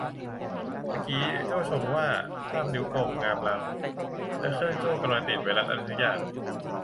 ตะกี้โจ้ชมว่าภาพนิ้วกลมงามล้ำ และเครื่องโจ้กำลังติดไวรัสอะไรสักอย่าง